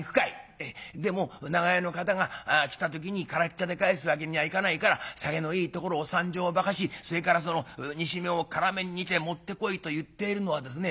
「ええでも『長屋の方が来た時に空茶で帰すわけにはいかないから酒のいいところを３升ばかしそれからその煮しめを辛めに煮て持ってこい』と言っているのはですね